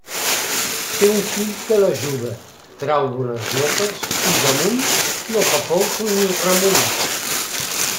Té un fill que l'ajuda, trau bones notes, i damunt «no fa pols ni remolí».